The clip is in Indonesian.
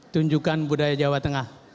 tunjukkan budaya jawa tengah